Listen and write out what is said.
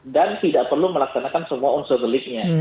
dan tidak perlu melaksanakan semua unsur beliknya